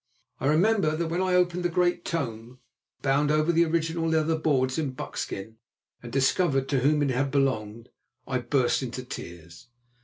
I remember that when I opened the great tome, bound over the original leather boards in buckskin, and discovered to whom it had belonged, I burst into tears.